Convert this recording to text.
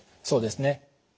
そうですね。